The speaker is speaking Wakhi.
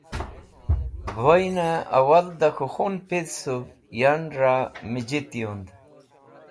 Voyn Awal da K̃hu Khun Pidhsuv, Yan ra Mijit yund